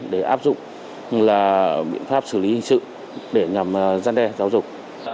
để áp dụng biện pháp xử lý hình sự để nhằm gian đe giáo dục